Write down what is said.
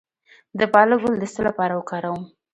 د پالک ګل د څه لپاره وکاروم؟